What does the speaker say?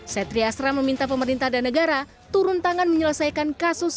setri asra meminta pemerintah dan negara turun tangan menyelesaikan kasus